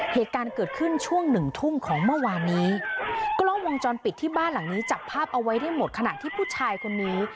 เหตุการณ์เกิดขึ้นช่วงหนึ่งทุ่มของเมื่อวานนี้กล้องวงจรปิดที่บ้านหลังนี้จับภาพเอาไว้ได้หมดขณะที่ผู้ชายคนนี้